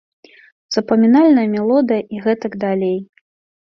Запамінальная мелодыя і гэтак далей.